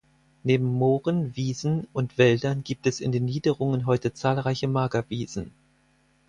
Neben Mooren, Wiesen und Wäldern gibt es in den Niederungen heute zahlreiche Magerwiesen.